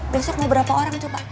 besok mau berapa orang coba